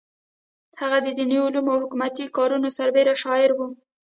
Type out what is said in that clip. هغه د دیني علومو او حکومتي کارونو سربېره شاعره وه.